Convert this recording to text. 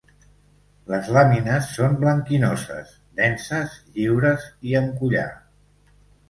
Les làmines són blanquinoses, denses, lliures i amb collar.